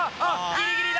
ギリギリだ！